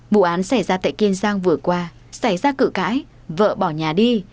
vụ án xảy ra tại kiên giang vừa qua xảy ra cự cãi vợ bỏ nhà đi